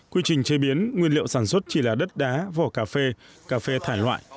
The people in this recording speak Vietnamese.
quy trình chế biến nguyên liệu sản xuất chỉ là đất đá vỏ cà phê cà phê thải loại